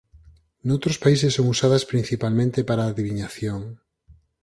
Noutros países son usadas principalmente para a adiviñación.